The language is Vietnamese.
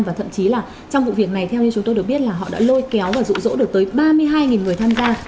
và thậm chí là trong vụ việc này theo như chúng tôi được biết là họ đã lôi kéo và rụ rỗ được tới ba mươi hai người tham gia